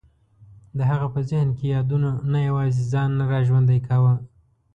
د هغه په ذهن کې یادونو نه یوازې ځان نه را ژوندی کاوه.